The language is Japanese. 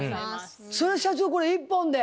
それを社長これ一本で？